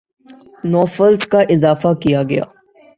نو فلس کا اضافہ کیا گیا ہے